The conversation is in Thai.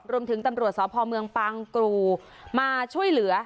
ตำรวจสพเมืองปางกรูมาช่วยเหลือ